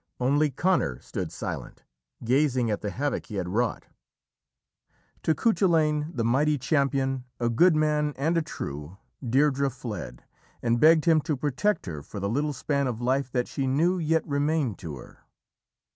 Only Conor stood silent, gazing at the havoc he had wrought. To Cuchulainn, the mighty champion, a good man and a true, Deirdrê fled, and begged him to protect her for the little span of life that she knew yet remained to her.